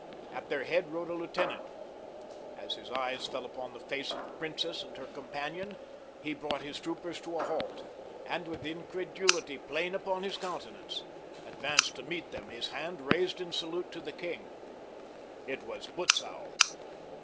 At their head rode a lieutenant. As his eyes fell upon the face of the princess and her companion, he brought his troopers to a halt, and, with incredulity plain upon his countenance, advanced to meet them, his hand raised in salute to the king. It was Butzow.